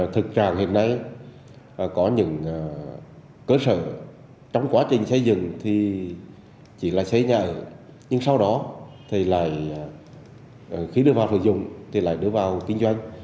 thực trạng hiện nay có những cơ sở trong quá trình xây dựng thì chỉ là xây nhà ở nhưng sau đó thì lại khi đưa vào sử dụng thì lại đưa vào kinh doanh